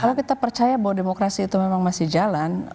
kalau kita percaya bahwa demokrasi itu memang masih jalan